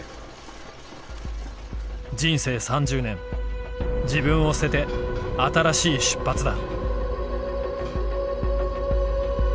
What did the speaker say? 人生三十年自分をすてて新しい出発だ」。